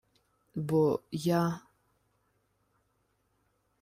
— Бо я...